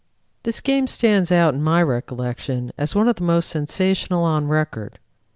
This game stands out in my recollection as one of the most sensational on record.